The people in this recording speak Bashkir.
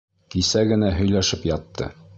Кисә генә һөйләшеп ятты.